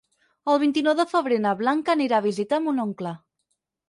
El vint-i-nou de febrer na Blanca anirà a visitar mon oncle.